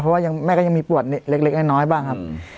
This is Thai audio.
เพราะว่ายังแม่ก็ยังมีปวดเล็กเล็กน้อยน้อยบ้างครับอืม